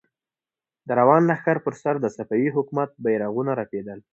د روان لښکر پر سر د صفوي حکومت بيرغونه رپېدل.